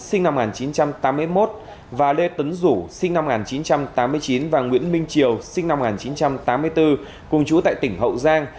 sinh năm một nghìn chín trăm tám mươi một và lê tấn rủ sinh năm một nghìn chín trăm tám mươi chín và nguyễn minh triều sinh năm một nghìn chín trăm tám mươi bốn cùng chú tại tỉnh hậu giang